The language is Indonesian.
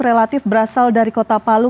relatif berasal dari kota palu